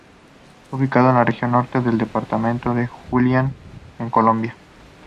Ubicado en la región norte del departamento del Huila en Colombia.